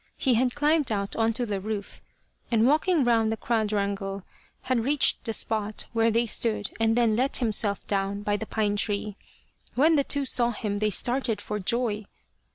He had climbed out on to the roof, and walking round the quadrangle, had reached the spot where they stood and then let himself down by the pine tree. When the two saw him they started for joy.